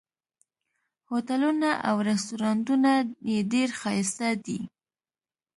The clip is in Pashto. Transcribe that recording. هوټلونه او رسټورانټونه یې ډېر ښایسته دي.